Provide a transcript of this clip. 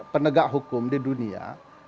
penegak hukum di dunia